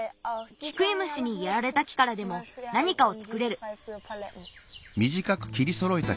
キクイムシにやられた木からでもなにかをつくれる。